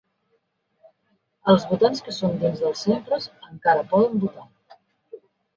Els votants que són dins dels centres encara poden votar.